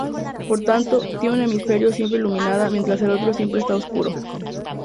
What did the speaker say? Por tanto, tiene un hemisferio siempre iluminado mientras el otro siempre está oscuro.